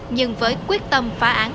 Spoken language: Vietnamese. nhưng với quyết tâm phá án